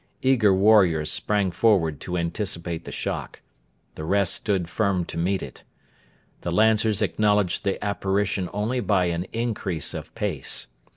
Eager warriors sprang forward to anticipate the shock. The rest stood firm to meet it. The Lancers acknowledged the apparition only by an increase of pace.